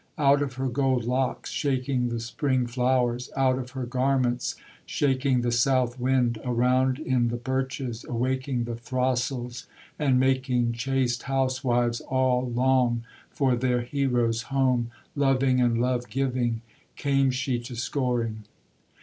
Out of her gold locks Shaking the spring flowers, Out of her garments Shaking the south wind, Around in the birches Awaking the throstles, And making chaste housewives all Long for their heroes home, Loving and love giving, Came she to Scoring.